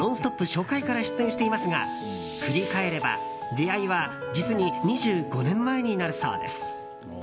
初回から出演していますが振り返れば出会いは実に２５年前になるそうです。